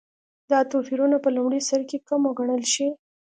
دا توپیرونه په لومړي سرکې کم وګڼل شي.